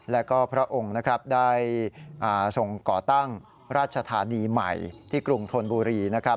แล้วก็พระองค์นะครับได้ทรงก่อตั้งราชธานีใหม่ที่กรุงธนบุรีนะครับ